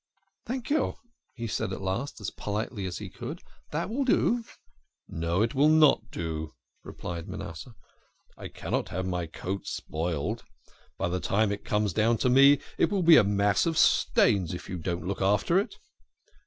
"Thank you," he said at last, as politely as he could. " That will do." " No, it will not do," replied Manasseh. "I cannot have my coat spoiled. By the time it comes to me it will be a mass of stains if I don't look after it."